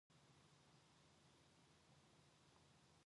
건성으로 묻지 말고 목소리 속의 목소리로 귀 속의 귀에 대고 간절하게 물어야 한다.